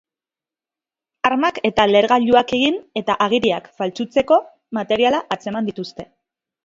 Armak eta lehergailuak egin eta agiriak faltsutzeko materiala atzeman dituzte.